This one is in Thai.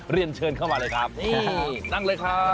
เรียนเชิญเข้ามาเลยครับนี่นั่งเลยครับ